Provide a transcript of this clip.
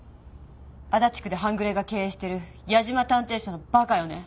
足立区で半グレが経営してる矢島探偵社のバカよね？